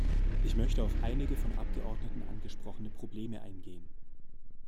Ich möchte auf einige von Abgeordneten angesprochene Probleme eingehen.